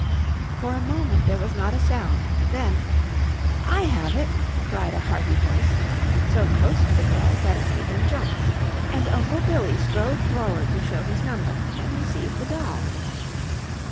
For a moment there was not a sound, then, "I have it," cried a hearty voice, so close to the girls that it made them jump, and Uncle Billy strode forward to show his number and receive the doll.